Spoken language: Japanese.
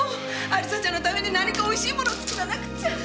亜里沙ちゃんのために何か美味しいものを作らなくっちゃ。